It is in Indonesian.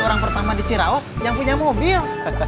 orang pertama di ciraos yang punya mobil